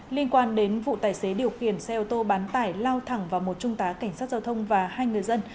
liên quan đến vụ tài xế điều khiển xe ô tô bán tải lao thẳng vào một trung tá cảnh sát giao thông và hai người dân